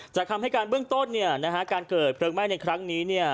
จากคำให้การเบื้องต้นการเกิดไฟไหม้ในครั้งนี้